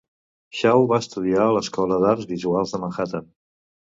Shaw va estudiar a l'escola d'arts visuals de Manhattan.